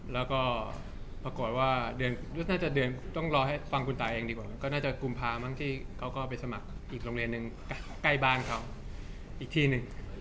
แล้วก็ปรากฏว่าเดือนก็น่าจะเดือนต้องรอให้ฟังคุณตาเองดีกว่าก็น่าจะกุมภามั้งที่เขาก็ไปสมัครอีกโรงเรียนหนึ่งใกล้บ้านเขาอีกที่หนึ่ง